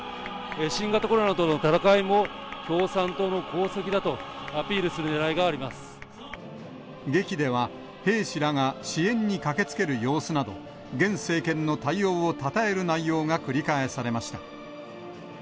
新型コロナとの闘いも共産党の功績だとアピールするねらいがあり劇では、兵士らが支援に駆けつける様子など、現政権の対応をたたえる内容が繰り返されました。